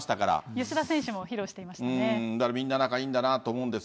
吉田選手も披露してましたからね。